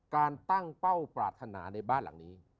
การตั้งเป้าปรารถนาในบ้านหลังนี้